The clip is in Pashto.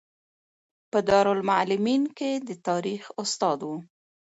په دارالمعلمین کې د تاریخ استاد و.